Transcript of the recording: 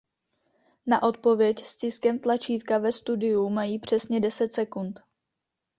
Na odpověď stiskem tlačítka ve studiu mají přesně deset sekund.